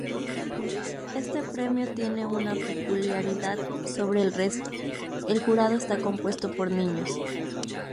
Este premio tiene una peculiaridad sobre el resto: el jurado está compuesto por niños.